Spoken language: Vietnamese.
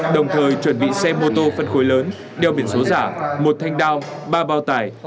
đồng thời chuẩn bị xe mô tô phân khối lớn đeo biển số giả một thanh đao ba bao tải